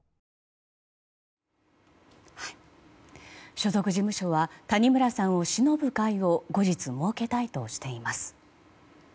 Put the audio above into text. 所属事務所は谷村さんをしのぶ会を後日、設けたいとしています。